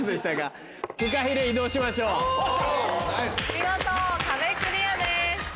見事壁クリアです。